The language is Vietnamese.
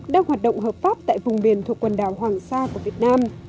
đang hoạt động hợp pháp tại vùng biển thuộc quần đảo hoàng sa của việt nam